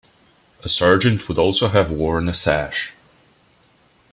A sergeant would also have worn a sash.